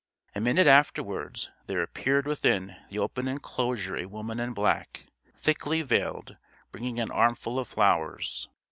A minute afterwards there appeared within the open enclosure a woman in black, thickly veiled, bringing an armful of flowers.